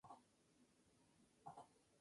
En Baleares, el vino se medía en "cortines".